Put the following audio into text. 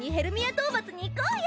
討伐に行こうよ！